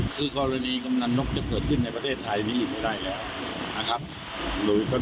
คือกรณีกำนันนกจะเกิดขึ้นในประเทศไทยนี้อยู่ไม่ได้แล้วนะครับ